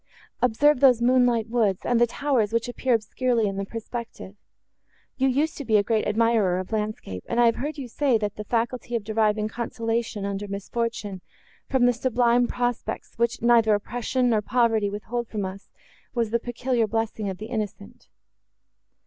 Observe those moonlight woods, and the towers, which appear obscurely in the perspective. You used to be a great admirer of landscape, and I have heard you say, that the faculty of deriving consolation, under misfortune, from the sublime prospects, which neither oppression, nor poverty withhold from us, was the peculiar blessing of the innocent."